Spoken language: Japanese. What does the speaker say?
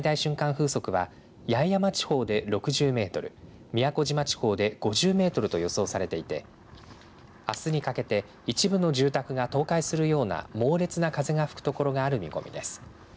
風速は八重山地方で６０メートル、宮古島地方で５０メートルと予想されていてあすにかけて一部の住宅が倒壊するような猛烈な風が吹く所がある見込みです。